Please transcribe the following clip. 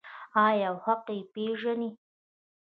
آیا او حق یې وپیژني؟